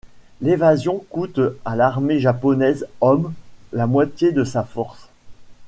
L'évasion coûte à l'armée japonaise hommes, la moitié de sa force.